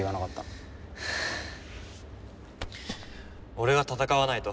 俺が戦わないと。